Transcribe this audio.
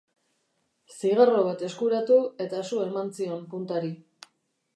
Zigarro bat eskuratu eta su eman zion puntari.